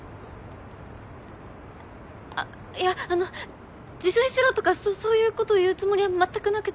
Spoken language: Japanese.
あっいやあの自炊しろとかそういうことを言うつもりはまったくなくて。